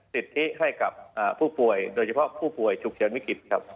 สิทธิให้กับผู้ป่วยโดยเฉพาะผู้ป่วยฉุกเฉินวิกฤตครับ